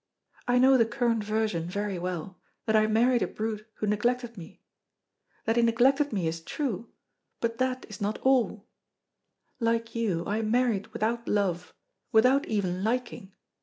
I know the current version very well, that I married a brute who neglected me. That he neglected me is true, but that is not all. Like you, I married without love, without even liking.